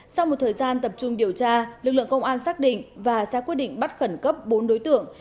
sau một thời gian tập trung điều tra lực lượng công an xác định và ra quyết định bắt khẩn cấp bốn đối tượng